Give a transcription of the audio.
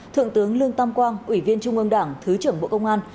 thượng tướng lương tam quang ủy viên trung ương đảng thứ trưởng bộ công an